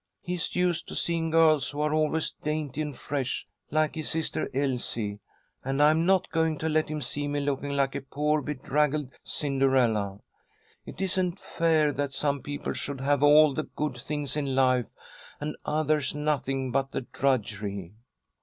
He's used to seeing girls who are always dainty and fresh, like his sister Elsie, and I'm not going to let him see me looking like a poor, bedraggled Cinderella. It isn't fair that some people should have all the good things in life, and others nothing but the drudgery.